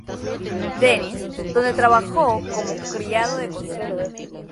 Denis, donde trabajó como criado de cocina.